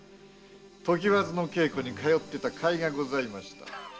常磐津の稽古に通っていた甲斐がございました。